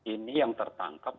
ini yang tertangkap